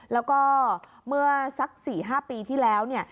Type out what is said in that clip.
แล้วก็เมื่อสัก๔๕ปีที่แล้ว